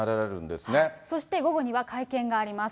そして午後には会見があります。